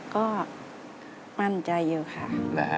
ก็มั่นใจอยู่ค่ะ